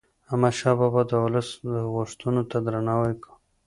احمد شاه بابا د ولس غوښتنو ته درناوی کاوه.